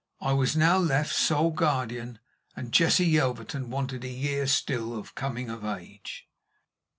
I was now left sole guardian, and Jessie Yelverton wanted a year still of coming of age.